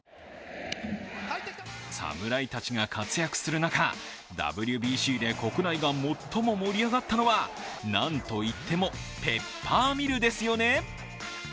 侍たちが活躍する中、ＷＢＣで国内が最も盛り上がったのは何といってもペッパーミルですよね。